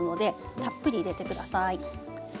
たっぷり入れてください。